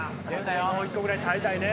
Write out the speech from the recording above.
もう１個ぐらい耐えたいね。